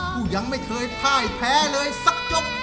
ยังไม่เคยพ่ายแพ้เลยสักยก